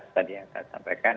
tadi yang saya sampaikan